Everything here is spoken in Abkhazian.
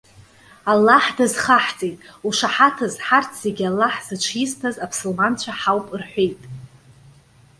Аллаҳ дазхаҳҵеит. Ушаҳаҭыз, ҳарҭ зегьы Аллаҳ зыҽизҭаз аԥсылманцәа ҳауп!- рҳәеит.